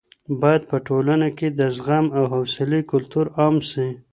باید په ټولنه کې د زغم او حوصلې کلتور عام سي.